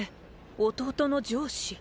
弟の上司。